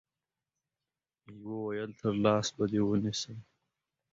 يوه ويل تر لاس به دي ونيسم